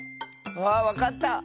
あわかった！